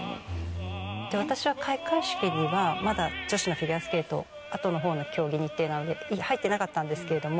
私は開会式にはまだ女子のフィギュアスケートあとの方の競技日程なので入ってなかったんですけれども。